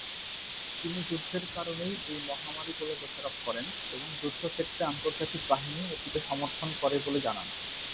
তিনি যুদ্ধের কারণেই এই মহামারী বলে দোষারোপ করেন এবং যুদ্ধক্ষেত্রে আন্তর্জাতিক বাহিনী এটিকে সমর্থন করে বলে জানান।